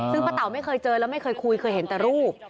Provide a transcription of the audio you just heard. ซึ่งป้าเต๋าไม่เคยเจอแล้วไม่เคยคุยเคยเห็นแต่รูป